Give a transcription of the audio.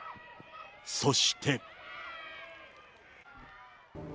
そして。